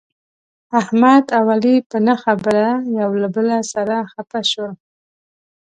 احمد او علي په نه خبره یو له بل سره خپه شول.